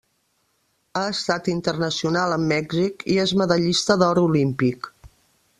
Ha estat internacional amb Mèxic i és medallista d'or olímpic.